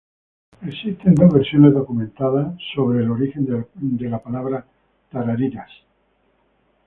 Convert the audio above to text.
Existen dos versiones documentadas acerca del origen de la palabra "Tarariras".